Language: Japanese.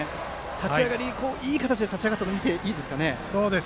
立ち上がり、いい形で立ち上がったとみていいですかね。